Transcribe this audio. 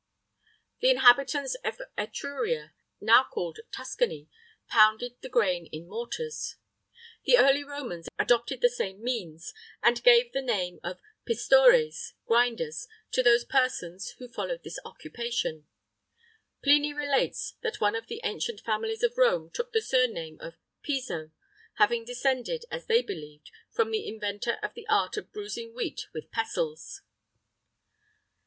The inhabitants of Etruria (now called Tuscany) pounded the grain in [Illustration: Pl. 4. ALCINOUS'S HAND MILL.] mortars.[III 9] The early Romans adopted the same means, and gave the name of Pistores, grinders, to those persons who followed this occupation.[III 10] Pliny relates that one of the ancient families of Rome took the surname of Piso, having descended, as they believed, from the inventor of the art of bruising wheat with pestles.